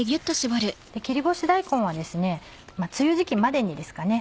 切り干し大根は梅雨時期までにですかね